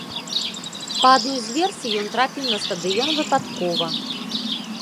Па адной з версій, ён трапіў на стадыён выпадкова.